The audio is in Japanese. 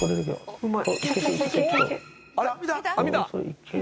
うまい。